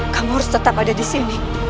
kamu harus tetap ada di sini